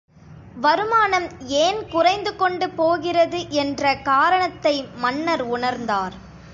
வருமானம் ஏன் குறைந்து கொண்டு போகிறது என்ற காரணத்தை மன்னர் உணர்ந்தார்.